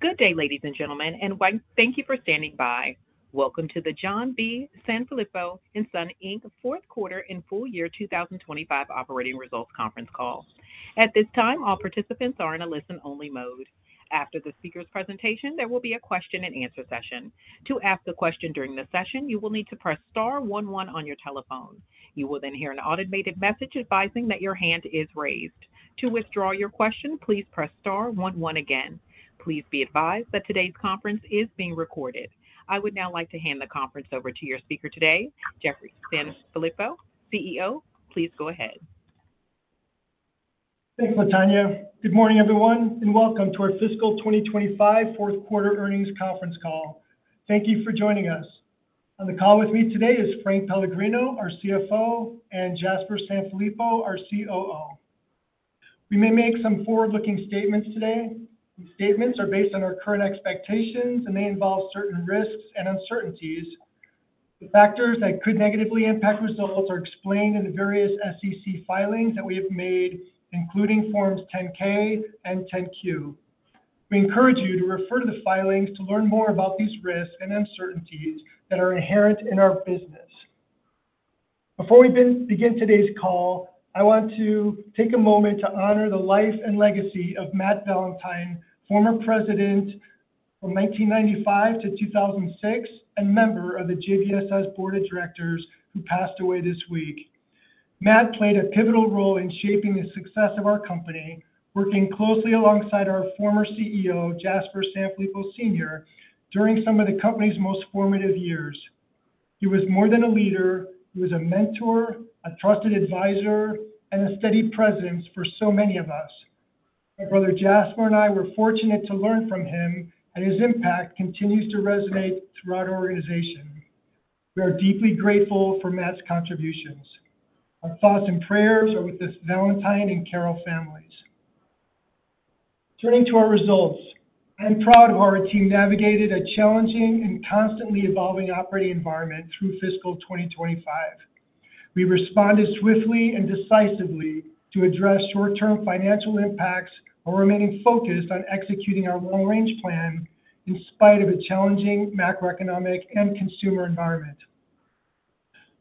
Good day, ladies and gentlemen, and thank you for standing by. Welcome to the John B. Sanfilippo & Son, Inc. Fourth Quarter and Full Year 2025 Operating Results Conference Call. At this time, all participants are in a listen-only mode. After the speaker's presentation, there will be a question-and-answer session. To ask a question during the session, you will need to press Star, one, one on your telephone. You will then hear an automated message advising that your hand is raised. To withdraw your question, please press Star, one, one again. Please be advised that today's conference is being recorded. I would now like to hand the conference over to your speaker today, Jeffrey Thomas Sanfilippo, CEO. Please go ahead. Thanks, Latanya. Good morning, everyone, and welcome to our Fiscal 2025 Fourth Quarter Earnings Conference Call. Thank you for joining us. On the call with me today is Frank Pellegrino, our CFO, and Jasper Sanfilippo, our COO. We may make some forward-looking statements today. The statements are based on our current expectations, and they involve certain risks and uncertainties. The factors that could negatively impact results are explained in the various SEC filings that we have made, including Forms 10-K and 10-Q. We encourage you to refer to the filings to learn more about these risks and uncertainties that are inherent in our business. Before we begin today's call, I want to take a moment to honor the life and legacy of Matt Valentine, former president from 1995-2006 and member of the JBSS Board of Directors who passed away this week. Matt played a pivotal role in shaping the success of our company, working closely alongside our former CEO, Jasper Sanfilippo, Sr., during some of the company's most formative years. He was more than a leader; he was a mentor, a trusted advisor, and a steady presence for so many of us. My brother Jasper and I were fortunate to learn from him, and his impact continues to resonate throughout our organization. We are deeply grateful for Matt's contributions. Our thoughts and prayers are with the Valentine and Carol families. Turning to our results, I'm proud of how our team navigated a challenging and constantly evolving operating environment through Fiscal 2025. We responded swiftly and decisively to address short-term financial impacts while remaining focused on executing our long-range plan in spite of a challenging macroeconomic and consumer environment.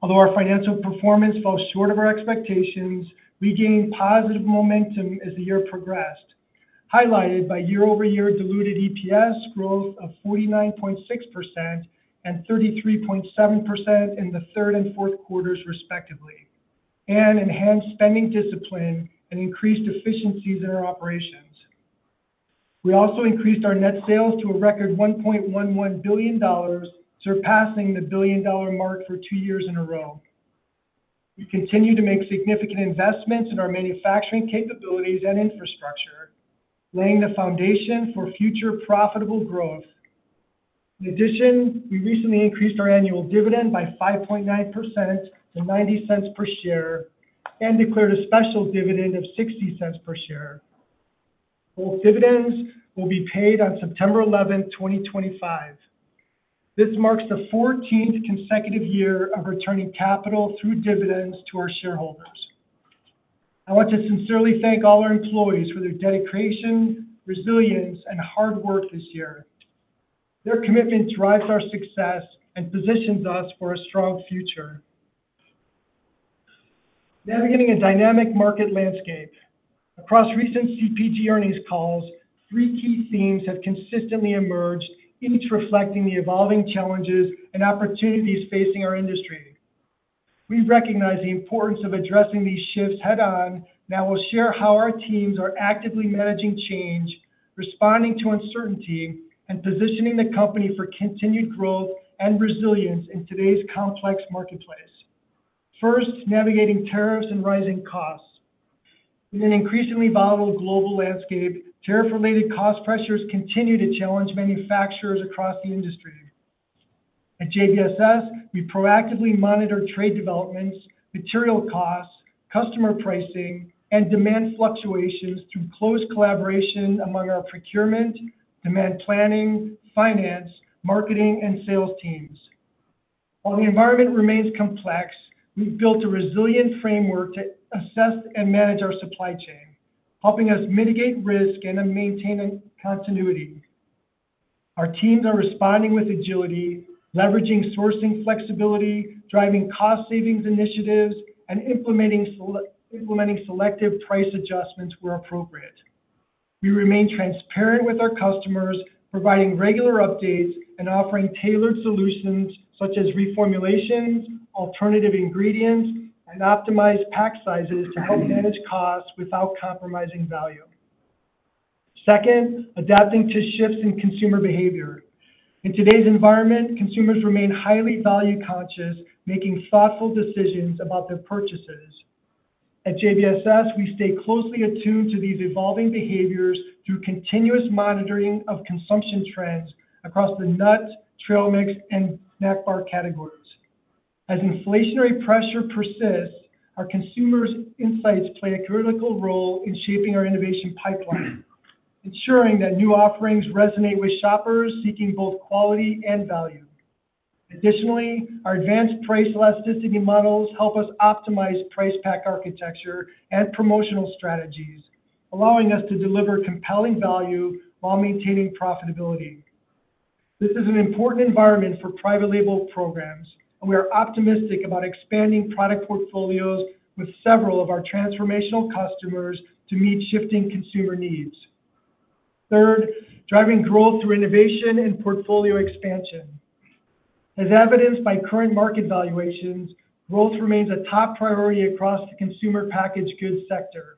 Although our financial performance fell short of our expectations, we gained positive momentum as the year progressed, highlighted by year-over-year diluted EPS growth of 49.6% and 33.7% in the third and fourth quarters, respectively, and enhanced spending discipline and increased efficiencies in our operations. We also increased our net sales to a record $1.11 billion, surpassing the billion-dollar mark for two years in a row. We continue to make significant investments in our manufacturing capabilities and infrastructure, laying the foundation for future profitable growth. In addition, we recently increased our annual dividend by 5.9% to $0.90 per share and declared a special dividend of $0.60 per share. Both dividends will be paid on September 11, 2025. This marks the 14th consecutive year of returning capital through dividends to our shareholders. I want to sincerely thank all our employees for their dedication, resilience, and hard work this year. Their commitment drives our success and positions us for a strong future. Navigating a dynamic market landscape, across recent CPG earnings calls, three key themes have consistently emerged, each reflecting the evolving challenges and opportunities facing our industry. We recognize the importance of addressing these shifts head-on, and I will share how our teams are actively managing change, responding to uncertainty, and positioning the company for continued growth and resilience in today's complex marketplace. First, navigating tariffs and rising costs. In an increasingly volatile global landscape, tariff-related cost pressures continue to challenge manufacturers across the industry. At JBSSon, we proactively monitor trade developments, material costs, customer pricing, and demand fluctuations through close collaboration among our procurement, demand planning, finance, marketing, and sales teams. While the environment remains complex, we've built a resilient framework to assess and manage our supply chain, helping us mitigate risk and maintain continuity. Our teams are responding with agility, leveraging sourcing flexibility, driving cost-savings initiatives, and implementing selective price adjustments where appropriate. We remain transparent with our customers, providing regular updates and offering tailored solutions such as reformulations, alternative ingredients, and optimized pack sizes to help manage costs without compromising value. Second, adapting to shifts in consumer behavior. In today's environment, consumers remain highly value-conscious, making thoughtful decisions about their purchases. At JBSS, we stay closely attuned to these evolving behaviors through continuous monitoring of consumption trends across the nut, trail mix, and nut bar categories. As inflationary pressure persists, our consumers' insights play a critical role in shaping our innovation pipeline, ensuring that new offerings resonate with shoppers seeking both quality and value. Additionally, our advanced price elasticity models help us optimize price pack architecture and promotional strategies, allowing us to deliver compelling value while maintaining profitability. This is an important environment for private label programs, and we are optimistic about expanding product portfolios with several of our transformational customers to meet shifting consumer needs. Third, driving growth through innovation and portfolio expansion. As evidenced by current market valuations, growth remains a top priority across the consumer packaged goods sector.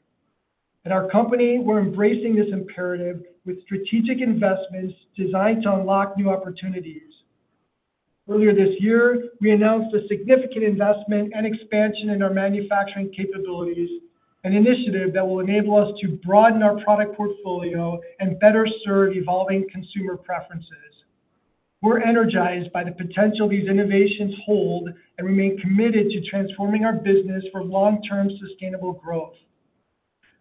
At our company, we're embracing this imperative with strategic investments designed to unlock new opportunities. Earlier this year, we announced a significant investment and expansion in our manufacturing capabilities, an initiative that will enable us to broaden our product portfolio and better serve evolving consumer preferences. We're energized by the potential these innovations hold and remain committed to transforming our business for long-term sustainable growth.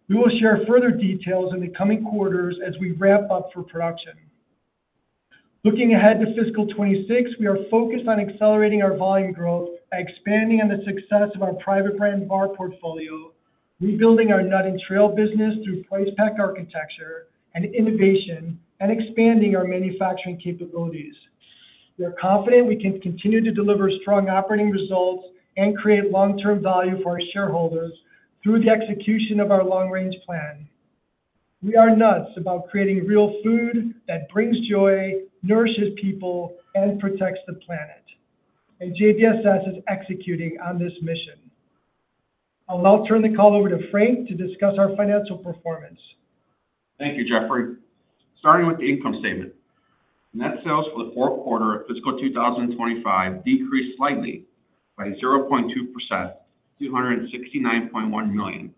We will share further details in the coming quarters as we ramp up for production. Looking ahead to fiscal 2026, we are focused on accelerating our volume growth by expanding on the success of our private brand bar portfolio, rebuilding our nut and trail business through price pack architecture and innovation, and expanding our manufacturing capabilities. We are confident we can continue to deliver strong operating results and create long-term value for our shareholders through the execution of our long-range plan. We are nuts about creating real food that brings joy, nourishes people, and protects the planet. JBSS is executing on this mission. I'll now turn the call over to Frank to discuss our financial performance. Thank you, Jeffrey. Starting with the income statement, net sales for the fourth quarter of fiscal 2025 decreased slightly by 0.2% to $269.1 million,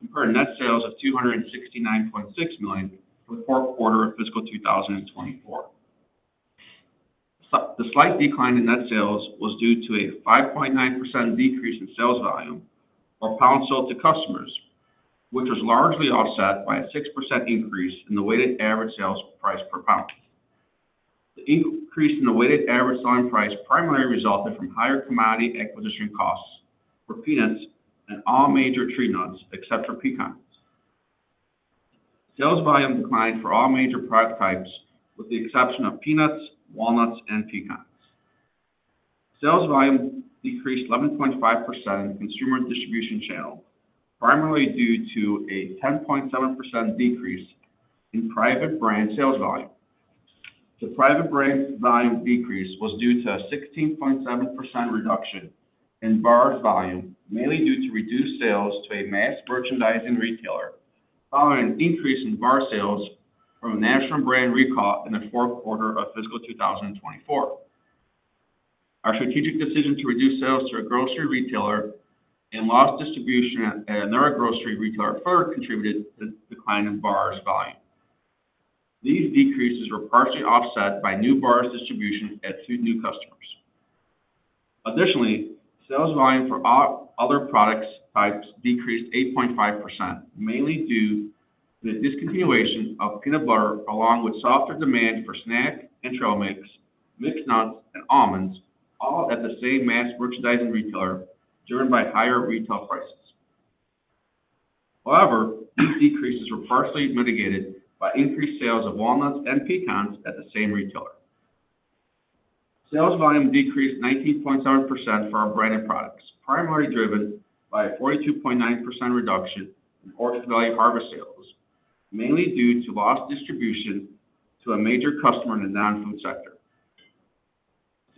compared to net sales of $269.6 million for the fourth quarter of fiscal 2020. The slight decline in net sales was due to a 5.9% decrease in sales volume in pounds sold to customers, which was largely offset by a 6% increase in the weighted average sales price per pound. The increase in the weighted average selling price primarily resulted from higher commodity acquisition costs for peanuts and all major tree nuts except for pecans. Sales volume declined for all major product types with the exception of peanuts, walnuts, and pecans. Sales volume decreased 11.5% in the consumer distribution channel, primarily due to a 10.7% decrease in private brand sales volume. The private brand volume decrease was due to a 16.7% reduction in bar volume, mainly due to reduced sales to a mass merchandising retailer, following an increase in bar sales from a national brand recall in the fourth quarter of fiscal 2024. Our strategic decision to reduce sales to a grocery retailer and lost distribution at another grocery retailer further contributed to the decline in bar volume. These decreases were partially offset by new bar distribution at two new customers. Additionally, sales volume for other product types decreased 8.5%, mainly due to the discontinuation of peanut butter, along with softer demand for snack and trail mix, mixed nuts, and almonds, all at the same mass merchandising retailer driven by higher retail prices. However, these decreases were partially mitigated by increased sales of walnuts and pecans at the same retailer. Sales volume decreased 19.7% for our branded products, primarily driven by a 42.9% reduction in Orchard Valley Harvest sales, mainly due to lost distribution to a major customer in the non-food sector.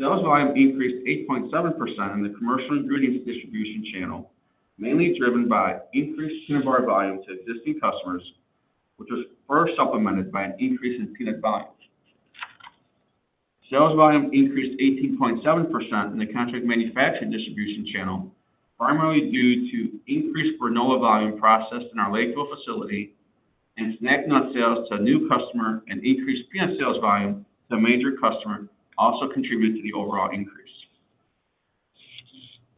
Sales volume increased 8.7% in the commercial ingredients distribution channel, mainly driven by increased peanut bar volume to existing customers, which was further supplemented by an increase in peanut volume. Sales volume increased 18.7% in the contract manufacturing distribution channel, primarily due to increased granola volume processed in our Lakeville facility, and snack nut sales to a new customer and increased peanut sales volume to a major customer also contributed to the overall increase.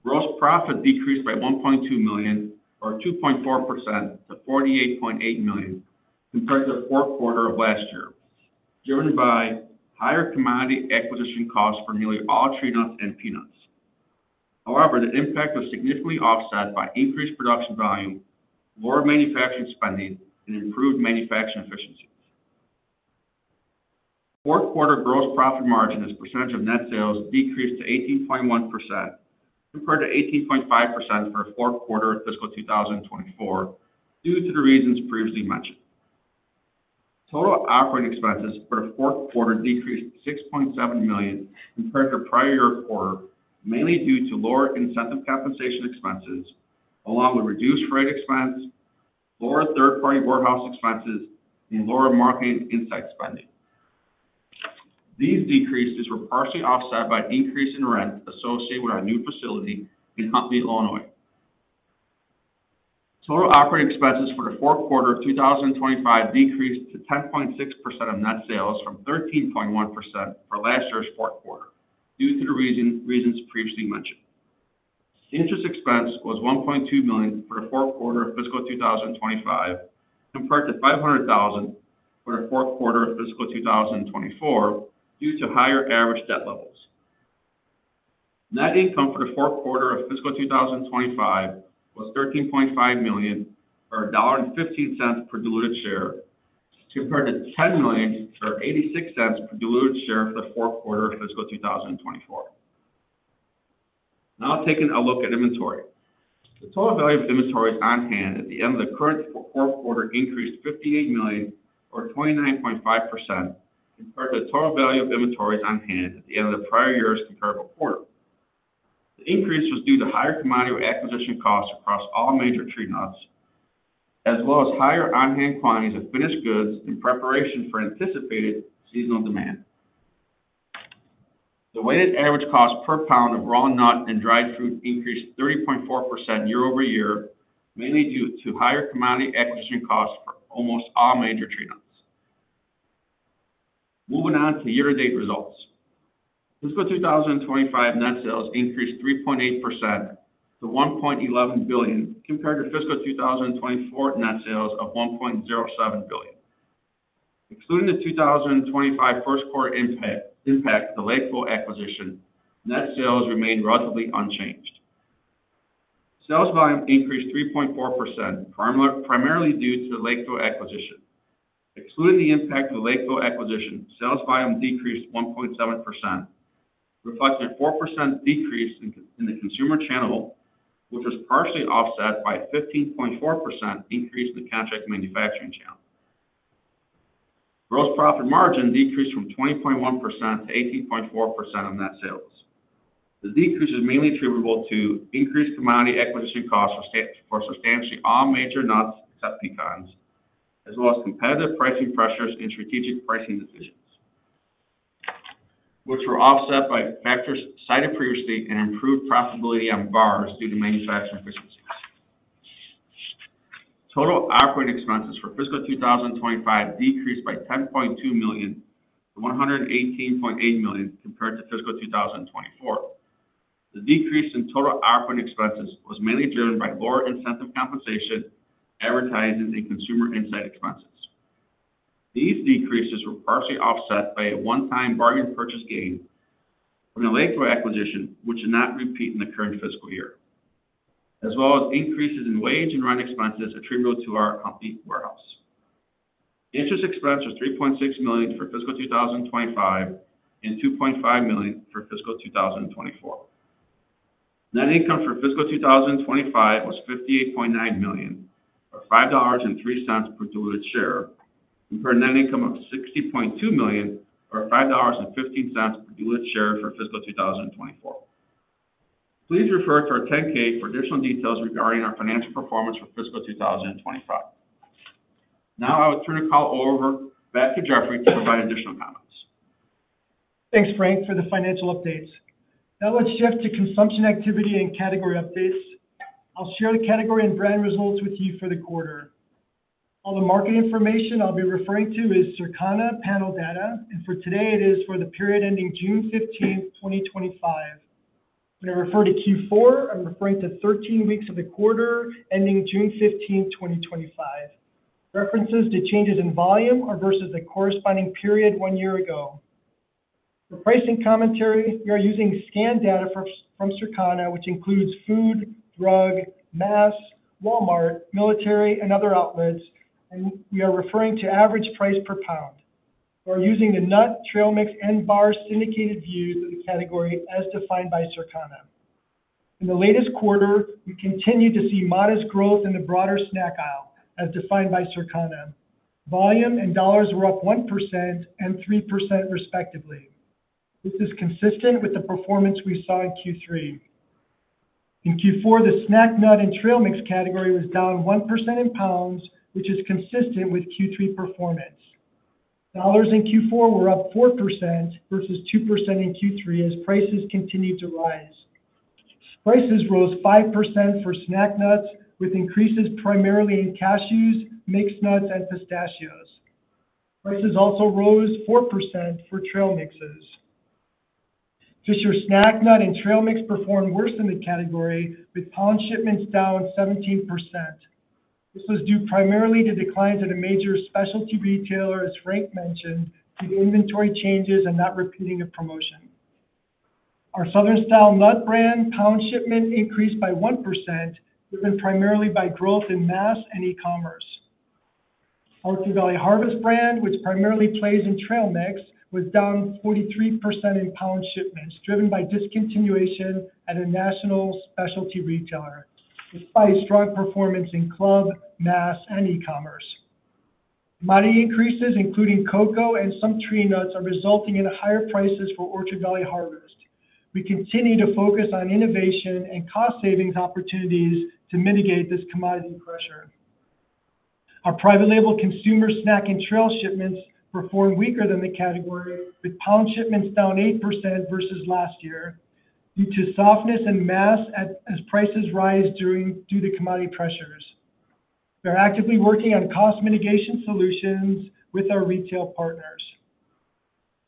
Gross profit decreased by $1.2 million, or 2.4%, to $48.8 million, compared to the fourth quarter of last year, driven by higher commodity acquisition costs for nearly all tree nuts and peanuts. However, the impact was significantly offset by increased production volume, lower manufacturing spending, and improved manufacturing efficiencies. Fourth quarter gross profit margin as a percentage of net sales decreased to 18.1% compared to 18.5% for the fourth quarter of fiscal 2024 due to the reasons previously mentioned. Total operating expenses for the fourth quarter decreased $6.7 million compared to the prior year quarter, mainly due to lower incentive compensation expenses, along with reduced freight expense, lower third-party warehouse expenses, and lower marketing insight spending. These decreases were partially offset by an increase in rent associated with our new facility in Elgin, Illinois. Total operating expenses for the fourth quarter of 2025 decreased to 10.6% of net sales from 13.1% for last year's fourth quarter due to the reasons previously mentioned. Interest expense was $1.2 million for the fourth quarter of fiscal 2025 compared to $500,000 for the fourth quarter of fiscal 2024 due to higher average debt levels. Net income for the fourth quarter of fiscal 2025 was $13.5 million or $1.15 per diluted share compared to $10 million or $0.86 per diluted share for the fourth quarter of fiscal 2024. Now taking a look at inventory, the total value of inventories on hand at the end of the current fourth quarter increased $58 million or 29.5% compared to the total value of inventories on hand at the end of the prior year's comparable quarter. The increase was due to higher commodity acquisition costs across all major tree nuts, as well as higher on-hand quantities of finished goods in preparation for anticipated seasonal demand. The weighted average cost per pound of raw nut and dried fruit increased 30.4% year-over-year, mainly due to higher commodity acquisition costs for almost all major tree nuts. Moving on to year-to-date results, Fiscal 2025 net sales increased 3.8% to $1.11 billion compared to fiscal 2024 net sales of $1.07 billion. Including the 2025 first quarter impact of the Lakeville acquisition, net sales remained relatively unchanged. Sales volume increased 3.4% primarily due to the Lakeville acquisition. Excluding the impact of the Lakeville acquisition, sales volume decreased 1.7%, with approximately 4% decrease in the consumer channel, which was partially offset by a 15.4% increase in the contract manufacturing channel. Gross profit margin decreased from 20.1% to 18.4% on net sales. The decrease is mainly attributable to increased commodity acquisition costs for substantially all major nuts except pecans, as well as competitive pricing pressures and strategic pricing decisions, which were offset by factors cited previously and improved profitability on bars due to manufacturing efficiencies. Total operating expenses for fiscal 2025 decreased by $10.2 million to $118.8 million compared to fiscal 2024. The decrease in total operating expenses was mainly driven by lower incentive compensation, advertising, and consumer insight expenses. These decreases were partially offset by a one-time bargain purchase gain from the Lakeville acquisition, which did not repeat in the current fiscal year, as well as increases in wage and run expenses attributable to our Hanover Park warehouse. Interest expense was $3.6 million for fiscal 2025 and $2.5 million for fiscal 2024. Net income for fiscal 2025 was $58.9 million, $5.03 per diluted share, compared to net income of $60.2 million or $5.15 per diluted share for fiscal 2024. Please refer to our 10-K for additional details regarding our financial performance for fiscal 2025. Now I would turn the call over back to Jeffrey to provide additional comments. Thanks, Frank, for the financial updates. Now let's shift to consumption activity and category updates. I'll share the category and brand results with you for the quarter. All the market information I'll be referring to is Circana panel data, and for today, it is for the period ending June 15th, 2025. When I refer to Q4, I'm referring to 13 weeks of the quarter ending June 15th, 2025. References to changes in volume are versus the corresponding period one year ago. For pricing commentary, we are using scan data from Circana, which includes food, drug, mass, Walmart, military, and other outlets, and we are referring to average price per pound. We are using the nut, trail mix, and bar syndicated views of the category as defined by Circana. In the latest quarter, we continue to see modest growth in the broader snack aisle, as defined by Circana. Volume and dollars were up 1% and 3%, respectively. This is consistent with the performance we saw in Q3. In Q4, the snack nut and trail mix category was down 1% in pounds, which is consistent with Q3 performance. Dollars in Q4 were up 4% versus 2% in Q3, as prices continued to rise. Prices rose 5% for snack nuts, with increases primarily in cashews, mixed nuts, and pistachios. Prices also rose 4% for trail mixes. Fisher snack nuts and trail mix performed worse in the category, with pound shipments down 17%. This was due primarily to declines at a major specialty retailer, as Frank mentioned, due to inventory changes and not repeating a promotion. Our Southern Style Nuts brand pound shipment increased by 1%, driven primarily by growth in mass and e-commerce. Orchard Valley Harvest brand, which primarily plays in trail mix, was down 43% in pound shipments, driven by discontinuation at a national specialty retailer, despite strong performance in club, mass, and e-commerce. Money increases, including cocoa and some tree nuts, are resulting in higher prices for Orchard Valley Harvest. We continue to focus on innovation and cost-savings opportunities to mitigate this commodity pressure. Our private label consumer snack and trail shipments performed weaker than the category, with pound shipments down 8% versus last year due to softness in mass, as prices rise due to commodity pressures. We are actively working on cost mitigation solutions with our retail partners.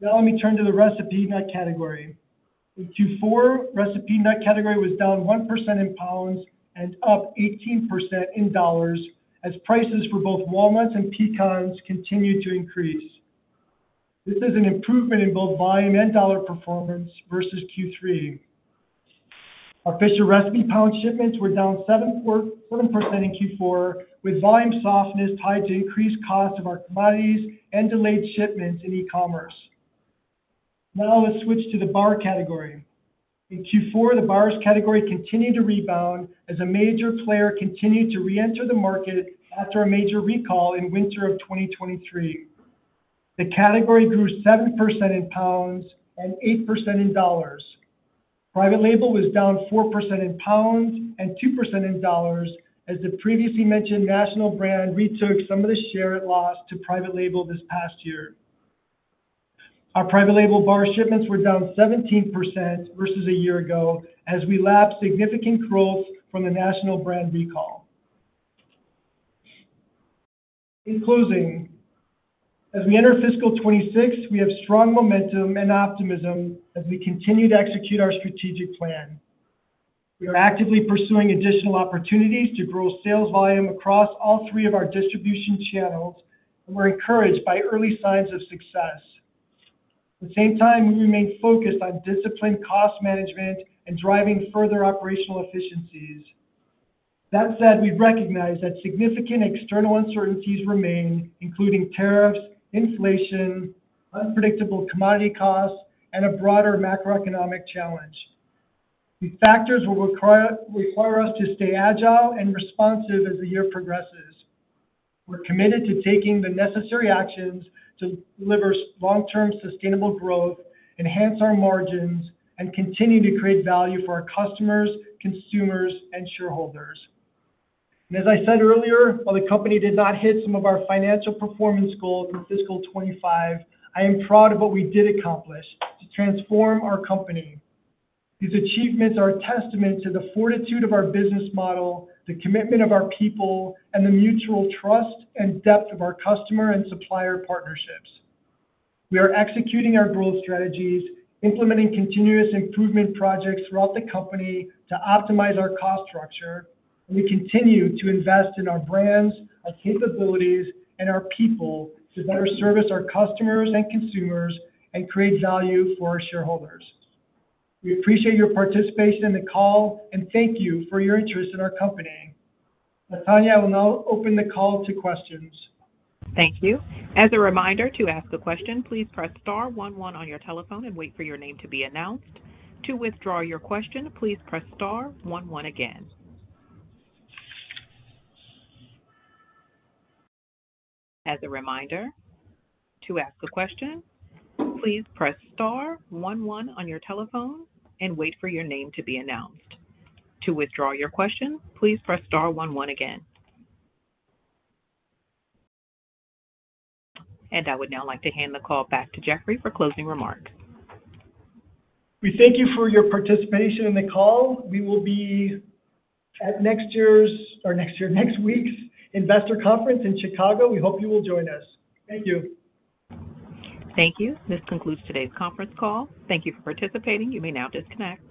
Now let me turn to the recipe nut category. In Q4, recipe nut category was down 1% in pounds and up 18% in dollars, as prices for both walnuts and pecans continued to increase. This is an improvement in both volume and dollar performance versus Q3. Our Fisher recipe pound shipments were down 7% in Q4, with volume softness tied to increased costs of our commodities and delayed shipments in e-commerce. Now let's switch to the bar category. In Q4, the bars category continued to rebound as a major player continued to reenter the market after a major recall in winter of 2023. The category grew 7% in pounds and 8% in dollars. Private label was down 4% in pounds and 2% in dollars, as the previously mentioned national brand retook some of the share it lost to private label this past year. Our private label bar shipments were down 17% versus a year ago, as we lapped significant growth from the national brand recall. In closing, as we enter fiscal 2026, we have strong momentum and optimism as we continue to execute our strategic plan. We are actively pursuing additional opportunities to grow sales volume across all three of our distribution channels, and we're encouraged by early signs of success. At the same time, we remain focused on disciplined cost management and driving further operational efficiencies. That said, we recognize that significant external uncertainties remain, including tariffs, inflation, unpredictable commodity costs, and a broader macroeconomic challenge. These factors will require us to stay agile and responsive as the year progresses. We're committed to taking the necessary actions to deliver long-term sustainable growth, enhance our margins, and continue to create value for our customers, consumers, and shareholders. As I said earlier, while the company did not hit some of our financial performance goals in fiscal 2025, I am proud of what we did accomplish to transform our company. These achievements are a testament to the fortitude of our business model, the commitment of our people, and the mutual trust and depth of our customer and supplier partnerships. We are executing our growth strategies, implementing continuous improvement projects throughout the company to optimize our cost structure, and to continue to invest in our brands, our capabilities, and our people to better service our customers and consumers and create value for our shareholders. We appreciate your participation in the call and thank you for your interest in our company. Latanya, I will now open the call to questions. Thank you. As a reminder, to ask a question, please press Star, one, one on your telephone and wait for your name to be announced. To withdraw your question, please press Star, one, one again. I would now like to hand the call back to Jeffrey for closing remarks. We thank you for your participation in the call. We will be at next week's investor conference in Chicago. We hope you will join us. Thank you. Thank you. This concludes today's conference call. Thank you for participating. You may now disconnect.